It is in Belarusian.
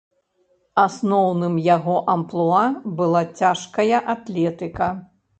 Асноўным яго амплуа была цяжкая атлетыка.